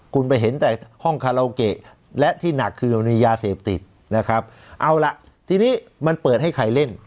คุณไปเห็นแต่ห้องคาราโอเกะและที่หนักคือมันมียาเสพติดนะครับเอาล่ะทีนี้มันเปิดให้ใครเล่น